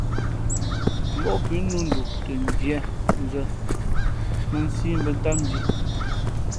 Móʼ pʉ̌ nnū nduʼ tα ndīē nzᾱ mᾱnsí mbα̌ ntám ndhī.